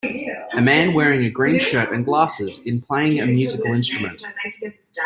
A man wearing a green shirt and glasses in playing a musical instrument.